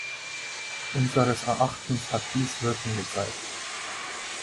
Unseres Erachtens hat dies Wirkung gezeitigt.